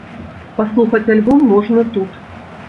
Паслухаць альбом можна тут.